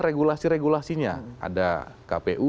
regulasi regulasinya ada kpu